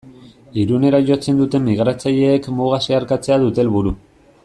Irunera jotzen duten migratzaileek muga zeharkatzea dute helburu.